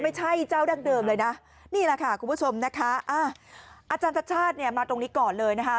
อาจารย์ชาติชาติเนี่ยมาตรงนี้กันนะฮะ